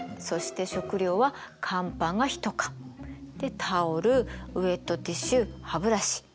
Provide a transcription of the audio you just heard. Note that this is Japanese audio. そして食料は乾パンが１缶。でタオルウエットティッシュ歯ブラシ。